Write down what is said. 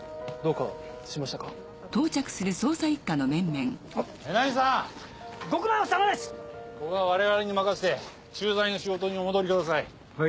ここは我々に任せて駐在の仕事にお戻りください。